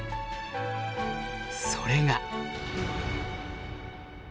それが。